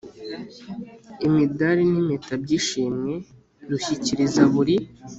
Imidari n Impeta by Ishimwe rushyikiriza buri